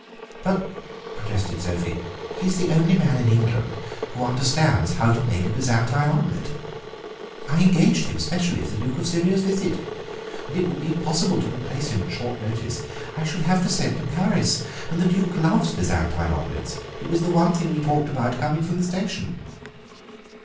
"But," protested Sophie, "he is the only man in England who understands how to make a Byzantine omelette. I engaged him specially for the Duke of Syria's visit, and it would be impossible to replace him at short notice. I should have to send to Paris, and the Duke loves Byzantine omelettes. It was the one thing we talked about coming from the station."